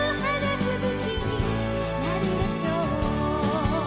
ふぶきになるでしょう」